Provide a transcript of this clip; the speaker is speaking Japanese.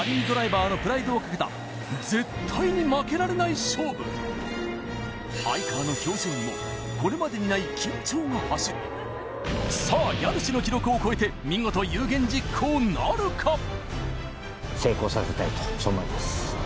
ドライバーのプライドをかけた絶対に負けられない勝負哀川の表情にもこれまでにない緊張が走るさあ家主の記録を超えて見事有言実行なるか？